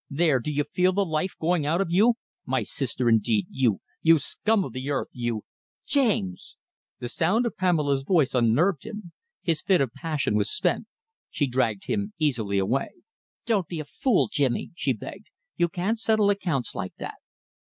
There! Do you feel the life going out of you?... My sister, indeed! You!... You scum of the earth! You ..." "James!" The sound of Pamela's voice unnerved him. His fit of passion was spent. She dragged him easily away. "Don't be a fool, Jimmy!" she begged. "You can't settle accounts like that."